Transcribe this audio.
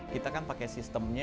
kita kan pakai sistemnya